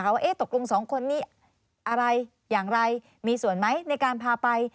ว่าตกลงสองคนนี้อะไรอย่างไรมีส่วนไหมในการพาไป